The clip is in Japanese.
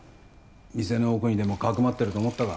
店の奥にでもかくまってると思ったか